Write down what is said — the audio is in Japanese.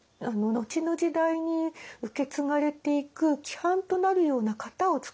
後の時代に受け継がれていく規範となるような型を創った歌集です。